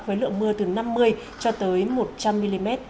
với lượng mưa từ năm mươi cho tới một trăm linh mm